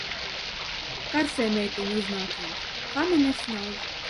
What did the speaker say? Karsējmeiteņu uznāciens. Fani nesnauž.